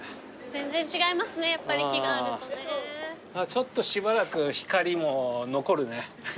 ちょっとしばらくヒカリモ残るね。